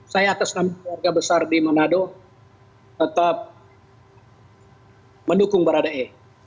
saya atas nama keluarga besar di manado tetap mendukung baradae